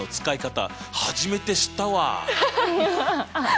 初めて知ったわ。